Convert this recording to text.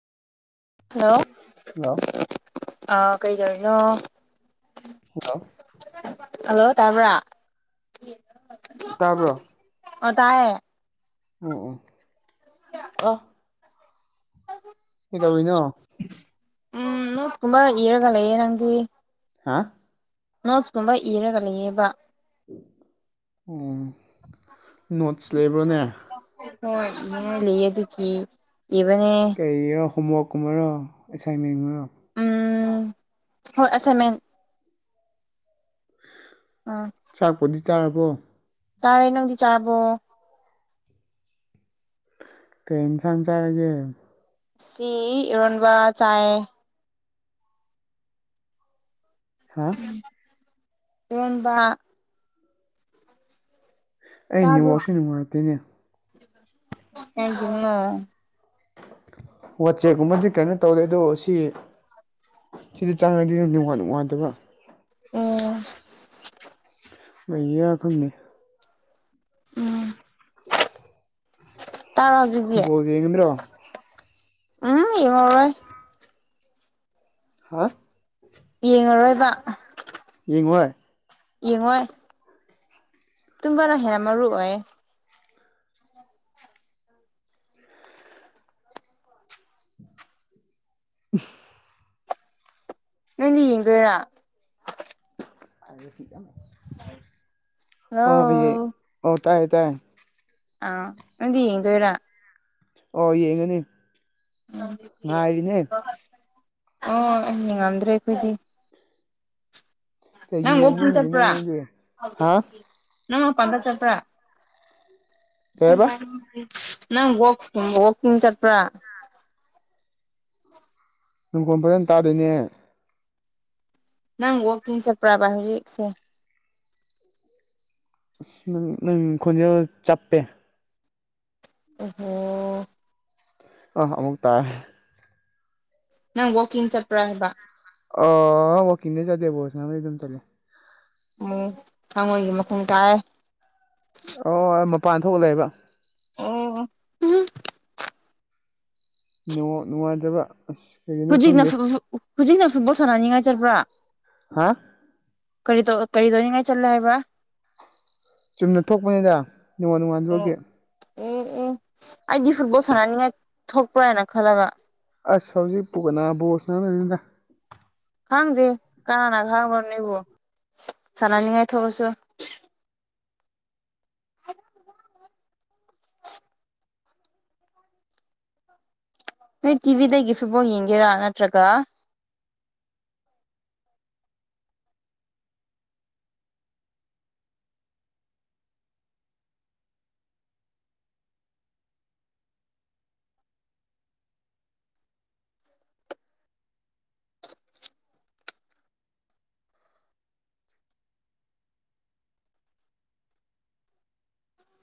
hello hello ꯑ ꯀꯩꯗꯧꯔꯤꯅꯣ hello hello ꯇꯥꯔꯕ꯭ꯔ ꯇꯥꯕ꯭ꯔꯣ ꯑꯣ ꯇꯥꯏꯌꯦ ꯎꯝ ꯎꯝ ꯑ ꯎ ꯀꯩꯗꯧꯏꯅꯣ ꯎꯝ ꯅꫭꯠ ꯀꯨꯝꯕ ꯏꯔꯒꯂꯩ ꯅꯪꯗꯤ ꯍꯥꯥ ꯅꯣꯠꯁ ꯀꯨꯝꯕ ꯏꯔꯒ ꯂꯩꯌꯦꯕꯥ ꯑꫭ ꯅꯣꯠꯁ ꯂꯩꯕ꯭ꯔꯣꯅꯦ ꯍꯣꯏ ꯏꯕꯅꯦ ꯂꯩ ꯑꯗꯨꯒꯤ ꯏꯕꯅꯦ ꯀꯩꯔꯣ ꯍꯣꯝꯋꯥꯛꯀꯨꯝꯕ ꯑꯣꯏꯔꯣ ꯑꯦꯁꯥꯏꯟꯃꯦꯟꯒꯨꯝ ꯑꯣꯏꯔꯣ ꯎꯝ ꯍꯣꯏ ꯑꯁꯥꯏꯃꯦꯟ ꯎꯥ ꯆꯥꯛꯄꯨꯗꯤ ꯆꯥꯔꯕꯣ ꯆꯥꯔꯦ ꯅꯪꯗꯤ ꯆꯥꯔꯕꯣ ꯀꯩ ꯌꯦꯟꯁꯥꯡ ꯆꯥꯔꯒꯦ ꯁꯤ ꯏꯔꯣꯟꯕ ꯆꯥꯏ ꯍꯥ ꯏꯔꫭꯟꯕ ꯑꯩ ꯇꯥꯕ꯭ꯔꯣ ꯅꯤꯋꯥꯛꯁꯤ ꯅꯨꯡꯉꯥꯏꯇꯦꯏꯅꯦ [inaudible] ꯋꯥ ꯆꯦꯛꯒꯨꯝꯕꯗꯤ ꯀꯩꯅꯣ ꯇꯧꯔꯦ ꯑꯗꯣ ꯁꯤ ꯁꯤꯗ ꯆꯥꯡꯉꯗꯤ ꯅꯨꯡꯉꯗꯕ꯭ꯔꯥ ꯎꯝ ꯂꯩ ꯌꯥ ꯈꯪꯅꯤ [inaudible] ꯇꯔꯥꯕꯤꯒꯦ ꯕꯣꯜ ꯌꯦꯡꯒꯗ꯭ꯔꯣ ꯎꯝ ꯏꯉꯉꯣꯏ ꯍꯥ ꯌꯦꯡꯉꯔꯣꯏꯕ ꯌꯦꯡꯉꫭꯍꯦ ꯌꯦꯡꯉꯣꯏ ꯇꯨꯝꯕꯅ ꯍꯦꯟꯅ ꯃꯔꯨ ꯑꯣꯏ ꯎꯝ ꯅꯣꯏꯅꯤ ꯌꯦꯡꯗꯣꯏꯔꯥ ꯍꯜꯂꯣ [unintelligible] ꯇꯥꯏ ꯇꯥꯏꯌꯦ ꯑ ꯅꯪꯗꯤ ꯌꯦꯡꯗꫭꯏꯔ ꯑꯣ ꯌꯦꯡꯉꯅꯤ ꯉꯥꯏꯔꯤꯅꯦ ꯑꯣ ꯑꯩ ꯅꯤꯡꯉꯝꯗ꯭ꯔꯦ ꯑꯩꯈꯣꯏꯗꯤ ꯀꯩꯒꯤ ꯅꯪ ꯋꯥꯀꯤꯡ ꯌꯦꯡꯅꯤꯡꯉꯤꯅꯣ ꯆꯠꯄ꯭ꯔꯥ ꯅꯪꯗꯤ ꯍꯥ ꯅꯪ ꯃꯄꯥꯟꯗ ꯆꯠꯄ꯭ꯔꯥ ꯀꯩ ꯍꯥꯏꯕ ꯅꯪ ꯁ ꯋꯥꯀꯤꯡ ꯆꯠꯄ꯭ꯔꯥ ꯅꯨꯡꯈꯣꯟ ꯐꯖꯅ ꯇꯥꯗꯦꯅꯦ ꯅꯪ ꯋꯥꯛꯀꯤꯡ ꯆꯠꯄ꯭ꯔꯕ ꯍꯧꯖꯤꯛꯁꯦ ꯑꯁ ꯅꯪ ꯈꯣꯟꯖꯦꯜ ꯆꯞꯄꯦ ꯑꯣꯍꯣ ꯑ ꯑꯃꯨꯛ ꯇꯥꯏ ꯅꯪ ꯋꯥꯀꯤꯡ ꯆꯠꯄ꯭ꯔꯥ ꯍꯥꯏꯕ ꯑ ꯋꯥꯀꯤꯡꯗꯤ ꯆꯦꯇꯦ ꯕꯣꯜ ꯁꯥꯟꯅꯕ ꯑꯗꯨꯝ ꯆꯠꯂꯦ ꯑꯣ ꯍꯉꯣꯏꯒꯤ ꯃꯈꫭꯟ ꯇꯥꯏ ꯑꯣ ꯃꯄꯥꯟ ꯊꯣꯛꯑ ꯂꯩꯕ ꯑꯣ ꯑꯣ ꯎꯝ ꯅꯤꯋꯥꯛ ꯅꯨꯡꯉꯥꯏꯇꯕ ꯑꯁ ꯀꯩꯒꯤꯅꯣ ꯍꯧꯖꯤꯛꯅ ꯈꯪꯗꯦ [unintelligible] ꯍꯧꯖꯤꯛꯅ ꯐꯨꯠꯕꯣꯜ ꯁꯥꯟꯅꯅꯤꯡꯉꯥꯏ ꯆꯠꯄ꯭ꯔꯥ ꯍꯥ ꯀꯔꯤ ꯇꯧ ꯀꯔꯤ ꯇꯧꯅꯤꯡꯉꯥꯏ ꯆꯜꯂꯦ ꯍꯥꯏꯕ꯭ꯔꯥ ꯆꯨꯝꯅ ꯊꯣꯛꯄꯅꯤꯅ ꯅꯅꯤꯉꯜ ꯑꯣ ꯅꯨꯡꯉꯥꯜꯗꯒꯤ ꯑꯣ ꯑꯣ ꯑꯩꯗꯤ ꯐꯨꯠꯕꯣꯜ ꯁꯥꯟꯅꯅꯤꯡꯉꯥꯏ ꯊꯣꯛꯄ꯭ꯔꯥꯅ ꯈꯜꯂꯒ ꯑꯁ ꯍꯧꯖꯤꯛꯄꯨ ꯀꯅꯥ ꯕꯣꯜ ꯁꯟꯅꯥ ꯗꯣꯏꯅꯣꯗꯥ ꯈꯥꯡꯗꯦ ꯀꯅꯥꯅ ꯈꯥꯡꯕ꯭ꯔꯣ ꯅꯕꯨ ꯁꯥꯟꯅꯅꯤꯡꯉꯥꯏ ꯊꯣꯛꯑꯁꯨ ꯅꯣꯏ ꯇꯤꯚꯤꯗꯒꯤ ꯐꯨꯠꯕꯣꯜ ꯌꯦꯡꯒꯦꯔꯥ ꯅꯠꯇ꯭ꯔꯒ